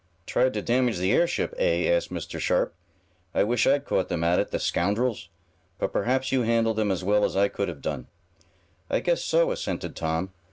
"Tried to damage the airship, eh?" asked Mr. Sharp. "I wish I'd caught them at it; the scoundrels! But perhaps you handled them as well as I could have done." "I guess so," assented Tom.